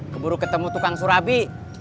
keburu ketemu tukang surabi